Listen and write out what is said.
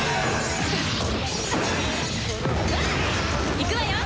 いくわよ！